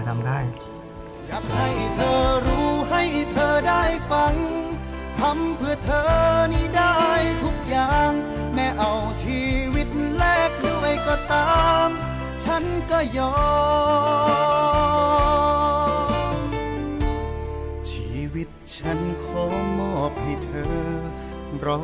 ทำแยกงานโดยขับเขียบเธอ